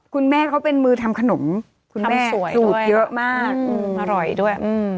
คุณแม่เขาเป็นมือทำขนมทำสวยด้วยคุณแม่ขลูกเยอะมากอร่อยด้วย